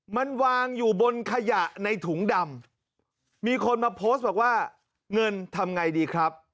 มันวางอยู่บนขยะในถุงดำมีคนมาโพสต์บอกว่าเงินทำไงดีครับ